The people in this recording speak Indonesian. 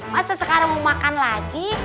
masa sekarang mau makan lagi